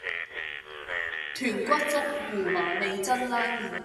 豚骨風胡麻味噌拉麵